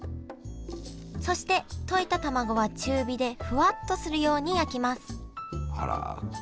そして溶いたたまごは中火でふわっとするように焼きますあら。